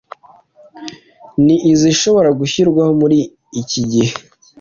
ni izishobora gushingirwaho muri iki gihe